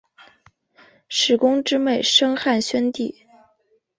史恭之妹生汉宣帝。